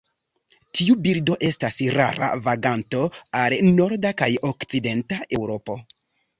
Tiu birdo estas rara vaganto al norda kaj okcidenta Eŭropo.